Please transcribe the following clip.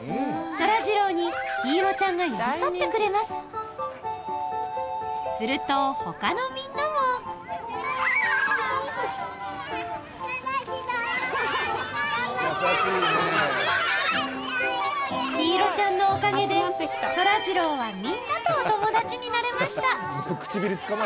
そらジローに陽彩ちゃんが寄り添ってくれますすると他のみんなも陽彩ちゃんのおかげでそらジローはみんなとお友達になれました